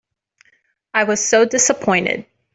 I was so dissapointed.